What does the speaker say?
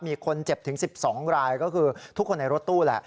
มีคนเจ็บถึง๑๒รายก็คือทุกคนในรถตู้แหละ